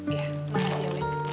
iya makasih ya